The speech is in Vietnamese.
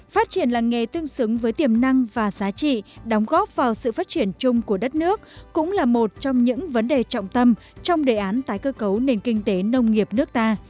phát triển làng nghề tương xứng với tiềm năng và giá trị đóng góp vào sự phát triển chung của đất nước cũng là một trong những vấn đề trọng tâm trong đề án tái cơ cấu nền kinh tế nông nghiệp nước ta